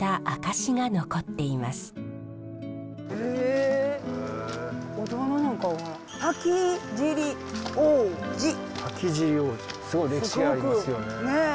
すごい歴史ありますよね。